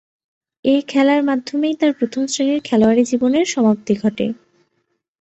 এ খেলার মাধ্যমেই তার প্রথম-শ্রেণীর খেলোয়াড়ী জীবনের সমাপ্তি ঘটে।